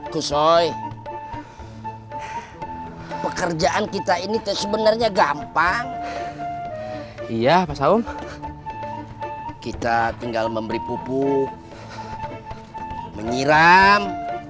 kushoi pekerjaan kita ini sebenarnya gampang iya pasal kita tinggal memberi pupuk menyiram